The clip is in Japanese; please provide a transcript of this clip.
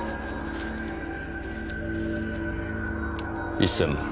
１０００万。